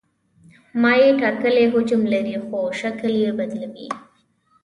مایع ټاکلی حجم لري خو شکل یې بدلوي.